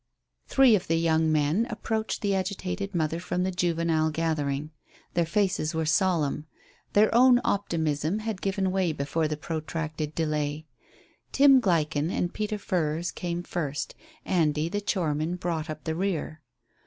Three of the young men approached the agitated mother from the juvenile gathering. Their faces were solemn. Their own optimism had given way before the protracted delay. Tim Gleichen and Peter Furrers came first, Andy, the choreman, brought up the rear.